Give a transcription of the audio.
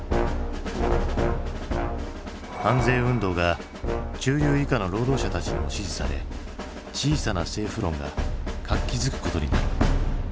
反税運動が中流以下の労働者たちにも支持され小さな政府論が活気づくことになる。